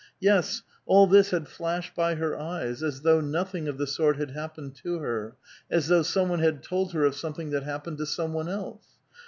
Yes, all this had flashed by her eyes, as though nothing of the sort had happened to her, as though some one had told her of something that happened to some one else.